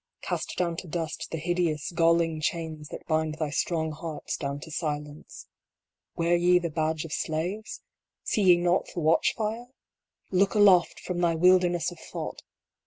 Cast down to dust the hideous, galling chains that bind thy strong hearts down to silence ! Wear ye the badge of slaves ? See ye not the watch fire ? Look aloft, from thy wilderness of thought